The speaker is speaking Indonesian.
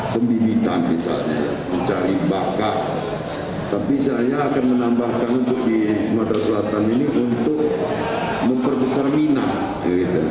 pembimitan misalnya mencari bakat tapi saya akan menambahkan untuk di sumatera selatan ini untuk memperbesar minat